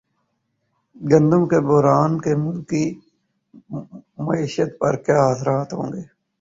گندم کے بحران کے ملکی معیشت پر کیا اثرات ہوں گے